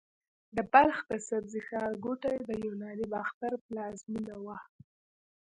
د بلخ د سبزې ښارګوټي د یوناني باختر پلازمېنه وه